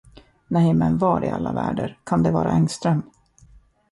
Nej, men vad i alla väder, kan det vara Engström.